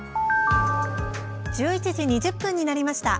１１時２０分になりました。